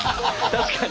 確かに。